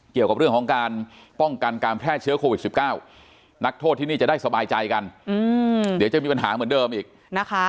เกี่ยวกับเรื่องของการป้องกันการแพร่เชื้อโควิด๑๙นักโทษที่นี่จะได้สบายใจกันเดี๋ยวจะมีปัญหาเหมือนเดิมอีกนะคะ